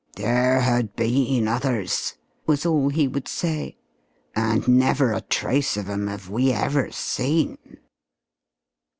"There had been others," was all he would say, "and never a trace of 'em 'ave we ever seen!"